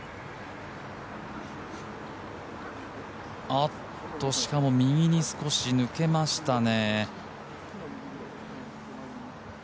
あっと、しかも右に少し抜けましたね。